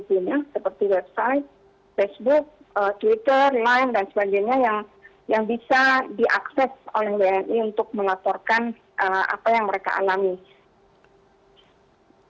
seperti website facebook twitter line dan sebagainya yang bisa diakses oleh wni untuk melaporkan apa yang mereka alami